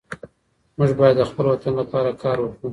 موږ باید د خپل وطن لپاره کار وکړو.